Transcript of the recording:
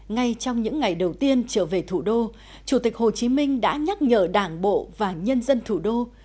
ngay trong những ngày đầu tiên trở về thủ đô chủ tịch hồ chí minh đã nhắc nhở đảng bộ và nhân dân thủ đô